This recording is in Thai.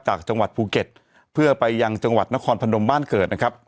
จากจังหวัดภูเก็ตเพื่อไปยังจังหวัดนครพนมบ้านเกิดนะครับ